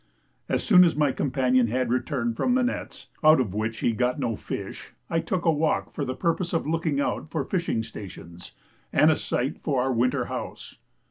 As soon as my companion had returned from the nets, out of which he got no fish, I took a walk for the purpose of looking out for fishing stations and a site for our winter house.